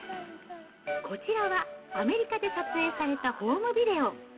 こちらはアメリカで撮影されたホームビデオ。